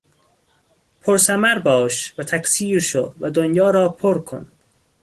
پرثمر باش و تکثیر شو و دنیا را پرکن.